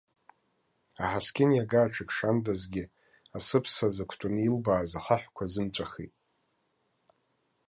Аҳаскьын иага аҽакшандазгьы, асыԥса зықәтәаны илбааз ахаҳәқәа азымҵәахит.